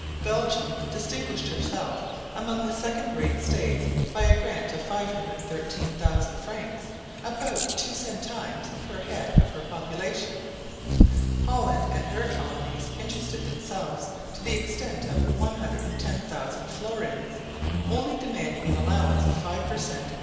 Belgium distinguished herself among the second rate states by a grant of 513,000 francs—about two centimes per head of her population. Holland and her colonies interested themselves to the extent of 110,000 florins, only demanding an allowance of five per cent.